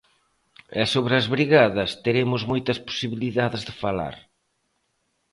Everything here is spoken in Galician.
E sobre as brigadas, teremos moitas posibilidades de falar.